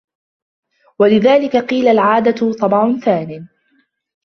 وَلِذَلِكَ قِيلَ الْعَادَةُ طَبْعٌ ثَانٍ